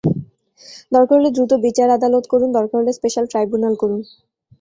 দরকার হলে দ্রুত বিচার আদালত করুন, দরকার হলে স্পেশাল ট্রাইব্যুনাল করুন।